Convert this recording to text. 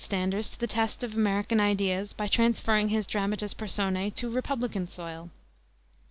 ] standards to the test of American ideas by transferring his dramatis personae to republican soil.